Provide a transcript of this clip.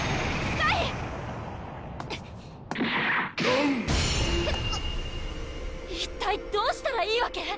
フッアッ一体どうしたらいいわけ⁉